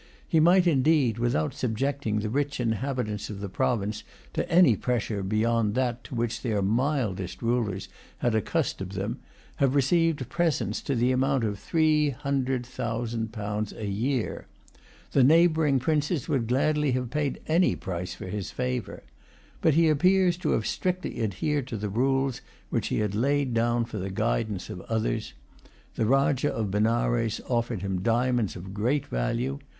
He might indeed, without subjecting the rich inhabitants of the province to any pressure beyond that to which their mildest rulers had accustomed them, have received presents to the amount of three hundred thousand pounds a year. The neighbouring princes would gladly have paid any price for his favour. But he appears to have strictly adhered to the rules which he had laid down for the guidance of others. The Rajah of Benares offered him diamonds of great value.